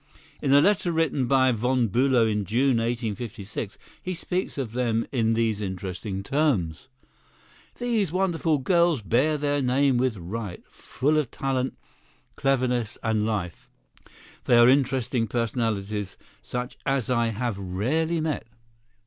In a letter written by Von Bülow in June, 1856, he speaks of them in these interesting terms: "These wonderful girls bear their name with right—full of talent, cleverness and life, they are interesting personalities, such as I have rarely met.